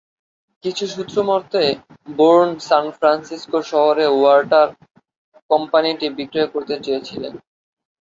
কিছু সূত্রমতে Bourne San Francisco water কোম্পানিটি বিক্রয় করতে চেয়েছিলেন।